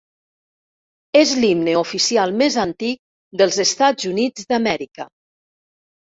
És l'himne oficial més antic dels Estats Units d'Amèrica.